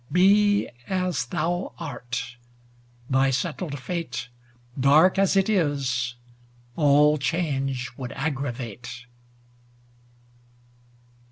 Be as thou art. Thy settled fate. Dark as it is, all change would aggravate.